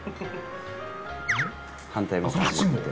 反対もかじって。